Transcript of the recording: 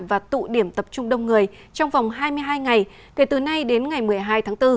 và tụ điểm tập trung đông người trong vòng hai mươi hai ngày kể từ nay đến ngày một mươi hai tháng bốn